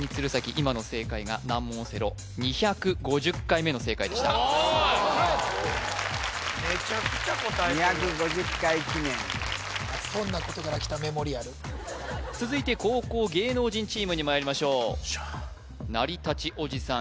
今の正解が難問オセロでした２５０回記念ひょんなことからきたメモリアル続いて後攻芸能人チームにまいりましょう成り立ちおじさん